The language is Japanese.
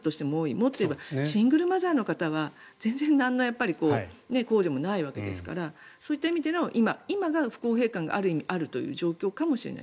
もっと言えばシングルマザーの方は全然何の控除もないわけですからそういった意味で今、不公平感がある意味あるという状況かもしれない。